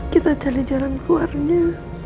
kita cari jalan keluarnya